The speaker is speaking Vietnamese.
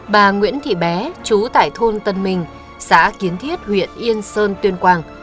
bà nguyễn thị bé chú tại thôn tân minh xã kiến thiết huyện yên sơn tuyên quang